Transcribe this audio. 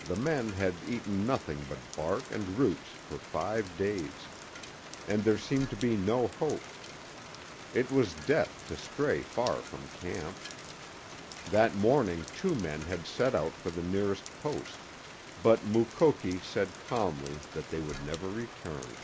The men had eaten nothing but bark and roots for five days. And there seemed to be no hope. It was death to stray far from camp. That morning two men had set out for the nearest post, but Mukoki said calmly that they would never return.